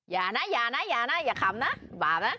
อย่านะอย่านะอย่านะอย่าขำนะบ่าไหม